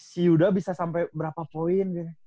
si yuda bisa sampai berapa poin gitu